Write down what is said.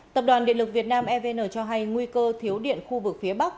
tập đoàn điện lực việt nam evn cho hay nguy cơ thiếu điện khu vực phía bắc